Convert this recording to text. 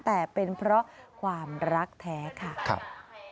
แต่เป็นเพราะความรักแท้ค่ะครับ